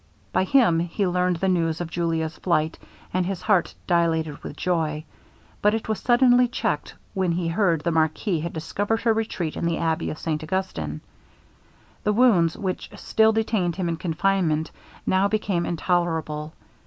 By him he learned the news of Julia's flight, and his heart dilated with joy; but it was suddenly checked when he heard the marquis had discovered her retreat in the abbey of St Augustin. The wounds which still detained him in confinement, now became intolerable.